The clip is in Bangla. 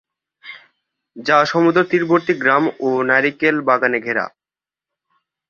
যা সমুদ্রতীরবর্তী গ্রাম ও নারিকেল বাগানে ঘেরা।